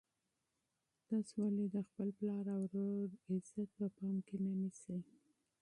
تاسو ولې د خپل پلار او ورور وقار په پام کې نه نیسئ؟